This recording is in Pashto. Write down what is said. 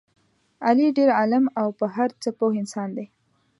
علي ډېر عالم او په هر څه پوه انسان دی.